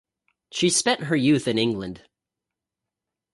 She spent her youth in England.